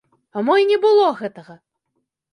А мо і не было гэтага?